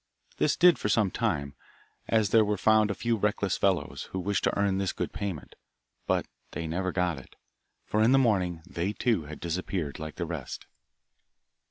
This did for some time, as there were found a few reckless fellows, who wished to earn this good payment. But they never got it, for in the morning, they too had disappeared like the rest.